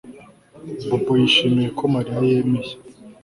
Bobo yishimiye ko Mariya yemeye